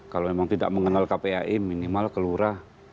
kalau memang tidak mengenal kpai minimal ke lurah